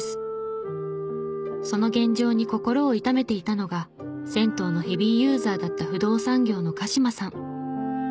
その現状に心を痛めていたのが銭湯のヘビーユーザーだった不動産業の鹿島さん。